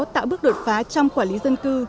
tạo bước đột phá trong quản lý dân cư